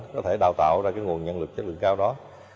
có thể đào tạo ra cái nguồn nhân lực chất lượng cao đó